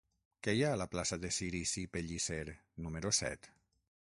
Què hi ha a la plaça de Cirici Pellicer número set?